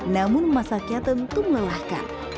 namun masaknya tentu melelahkan